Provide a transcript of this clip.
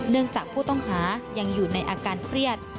จากผู้ต้องหายังอยู่ในอาการเครียด